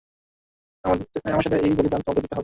আমার সাথে এই বলিদান, তোমাকেও দিতে হবে।